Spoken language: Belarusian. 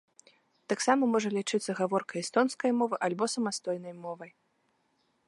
Таксама можа лічыцца гаворкай эстонскай мовы альбо самастойнай мовай.